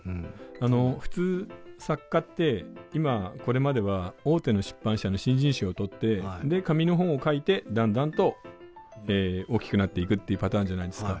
あの普通作家って今これまでは大手の出版社の新人賞を取ってで紙の本を書いてだんだんと大きくなっていくっていうパターンじゃないですか。